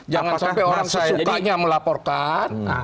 jangan sampai orang sesukanya melaporkan